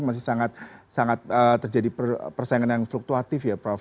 masih sangat terjadi persaingan yang fluktuatif ya prof